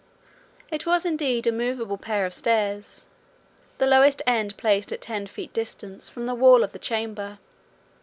It was indeed a moveable pair of stairs, the lowest end placed at ten feet distance from the wall of the chamber.